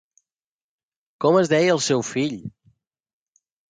Com es deia el seu fill?